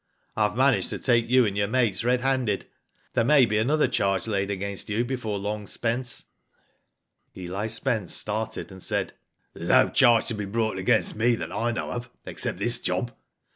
"I've managed to take you and your mates red handed. There may be another charge laid against you before long, Spence." Eli Spence started, and said :There's no charge can be brought against me that I know of, except this job.